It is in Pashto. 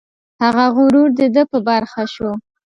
هغه غرور د ده په برخه شو.